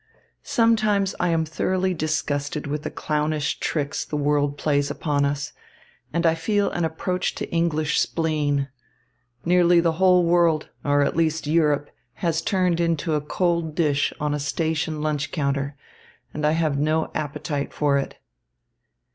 Sometimes I am thoroughly disgusted with the clownish tricks the world plays upon us, and I feel an approach to English spleen. Nearly the whole world, or, at least Europe, has turned into a cold dish on a station lunch counter, and I have no appetite for it.